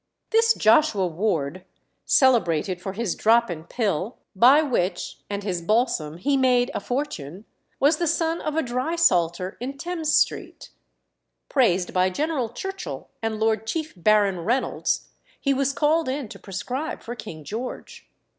This Joshua Ward, celebrated for his drop and pill, by which and his balsam he made a fortune, was the son of a drysalter in Thames Street. Praised by General Churchill and Lord Chief Baron Reynolds, he was called in to prescribe for King George.